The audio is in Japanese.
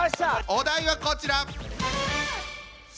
お題はこちら！